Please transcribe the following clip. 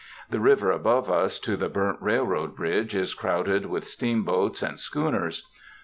The river above us to the burnt railroad bridge is crowded with steamboats and schooners.